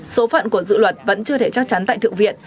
số phận của dự luật vẫn chưa thể chắc chắn tại thượng viện